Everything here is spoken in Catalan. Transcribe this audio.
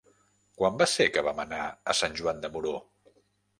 Quan va ser que vam anar a Sant Joan de Moró?